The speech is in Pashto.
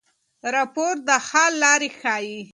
راپور د حل لارې ښيي.